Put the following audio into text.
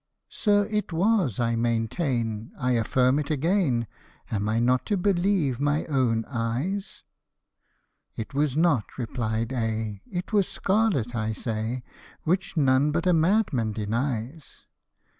*'" Sir, it was, I maintain ; I affirm it again ; Am I not to believe my own eyes ?"" It was not," replied A ;" it was scarlet, I say, Which none but a madman denies."